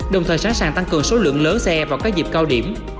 đồng thời sẵn sàng tăng cường số lượng lớn xe vào các dịp cao điểm